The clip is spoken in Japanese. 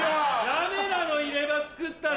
ダメなの入れ歯作ったら。